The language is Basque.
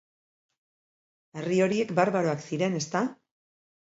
Herri horiek barbaroak ziren, ezta?